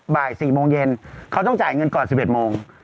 บ่าย๔โมงเย็นเขาต้องจ่ายเงินก่อน๑๑โมง